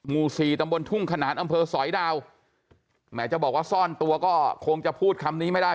หมู่สี่ตำบลทุ่งขนานอำเภอสอยดาวแหมจะบอกว่าซ่อนตัวก็คงจะพูดคำนี้ไม่ได้